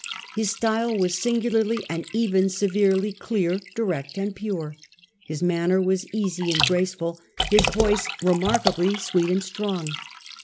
His style was singu larly and even severely clear, direct and pure; his manner was easy and graceful ; his voice remarkably sweet and strong.